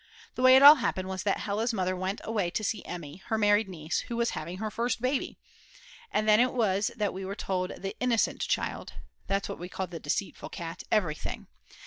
The way it all happened was that Hella's mother went away to see Emmy, her married niece, who was having her first baby. And then it was that we told the "innocent child" (that's what we call the deceitful cat) everything.